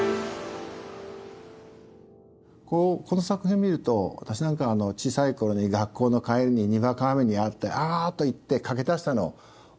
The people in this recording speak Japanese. この作品見ると私なんかは小さい頃に学校の帰りににわか雨に遭ってあっと言って駆け出したのを思い出しますけども。